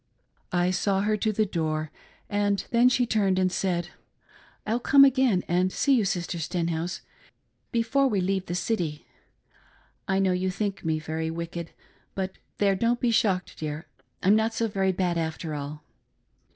I saw her to the door, and then she turned and said, " I'll come again and see you. Sister Stenhouse, before we leave the city. I know you think me very wicked ; but, there ; don't be shocked, dear !— I'm not so very bad, after all."